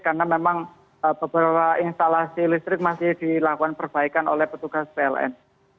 karena memang beberapa instalasi listrik masih dilakukan perbaikan oleh petugas pln